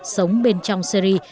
sống bên trong syri